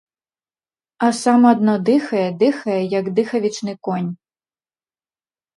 А сам адно дыхае, дыхае, як дыхавічны конь.